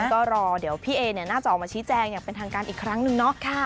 ก็รอเดี๋ยวพี่เอเนี่ยน่าจะออกมาชี้แจงอย่างเป็นทางการอีกครั้งหนึ่งเนาะ